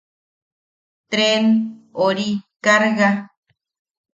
Treen... ori... kaarga....